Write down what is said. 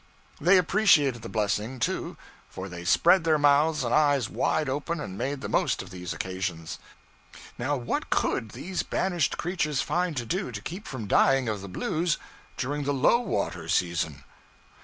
They appreciated the blessing, too, for they spread their mouths and eyes wide open and made the most of these occasions. Now what _could _these banished creatures find to do to keep from dying of the blues during the low water season!